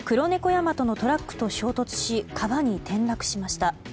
ヤマトのトラックと衝突し川に転落しました。